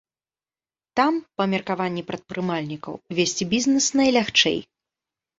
Там, па меркаванні прадпрымальнікаў, весці бізнес найлягчэй.